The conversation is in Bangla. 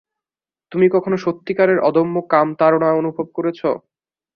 তুমি কখনো সত্যিকারের অদম্য কামতাড়না অনুভব করেছ?